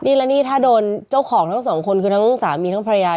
นี่แล้วนี่ถ้าโดนเจ้าของทั้งสองคนคือทั้งสามีทั้งภรรยา